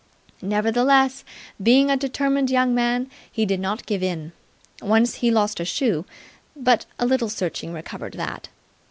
Nevertheless, being a determined young man, he did not give in. Once he lost a shoe, but a little searching recovered that.